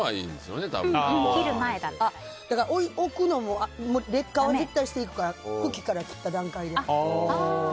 置くのも劣化は絶対していくから茎から切った段階で。